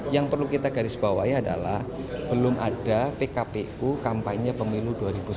yang perlu kita garis bawahi adalah belum ada pkpu kampanye pemilu dua ribu sembilan belas